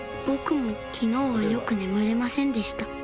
僕も昨日はよく眠れませんでした